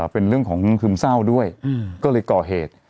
เป็นเรื่องของคุณคุณซ่าวด้วยก็เลยก่อเหตุ